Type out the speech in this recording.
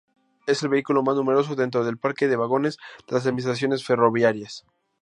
Es el vehículo más numeroso dentro del parque de vagones de las administraciones ferroviarias.